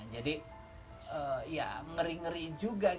jadi ya ngeri ngeri juga ya itu